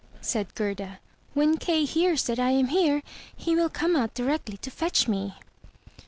'' saidGerda. "When Kay hears that I am here, he will come out directly to fetch me."